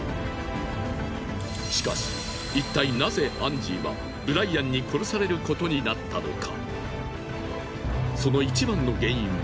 しかしいったいナゼアンジーはブライアンに殺されることになったのか。